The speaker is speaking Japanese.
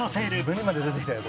「夢にまで出てきたよ